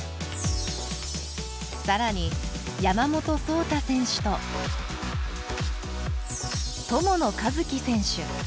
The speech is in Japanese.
更に山本草太選手と友野一希選手。